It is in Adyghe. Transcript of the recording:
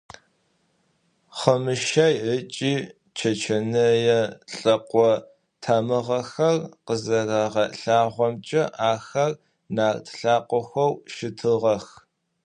Хъымыщэй ыкӏи чэчэнэе лӏэкъо тамыгъэхэм къызэрагъэлъагъорэмкӏэ, ахэр нарт лӏакъохэу щытыгъэх.